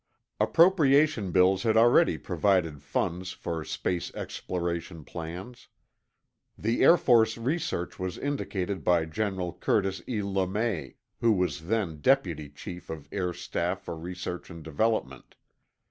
Appropriation bills had already provided funds for space exploration plans. The Air Force research was indicated by General Curtis E. LeMay, who was then Deputy Chief of Air Staff for Research and Development.